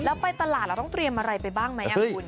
แล้วไปตลาดเราต้องเตรียมอะไรไปบ้างไหมคุณ